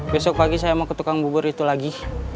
besok pagi saya mau ke tukang bubur itu lagi